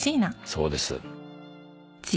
そうです。